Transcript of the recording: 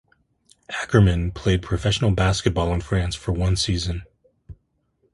Ackerman played professional basketball in France for one season.